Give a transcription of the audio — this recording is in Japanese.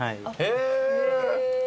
へえ。